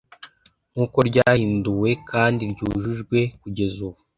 nk uko ryahinduwe kandi ryujujwe kugeza ubu